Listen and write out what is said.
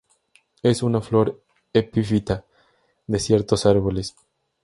Es una flor epífita de ciertos árboles.